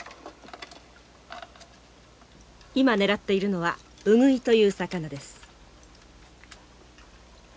今狙っているのはウグイという魚です。